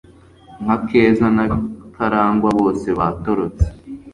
Nka Keza na Karangwa bose batorotse